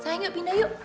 sayang yuk pindah yuk